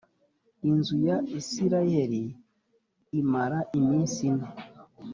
inzu ya isirayeli imara iminsi ine